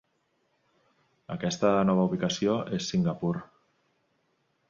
Aquesta nova ubicació és Singapur.